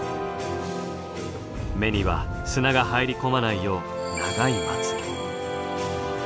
目には砂が入り込まないよう長いまつげ。